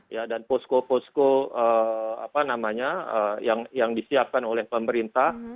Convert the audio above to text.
ya dan posko posko apa namanya yang disiapkan oleh pemerintah